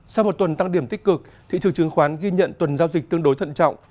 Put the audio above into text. sau một tuần tăng điểm tích cực thị trường chứng khoán ghi nhận tuần giao dịch tương đối thận trọng